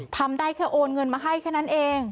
ทำได้แค่โอนเงินมาให้แค่นั้นเอง